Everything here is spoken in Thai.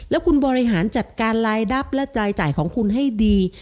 แล้วคุณบริหารจัดการรายดับและรายจ่ายของคุณให้ดี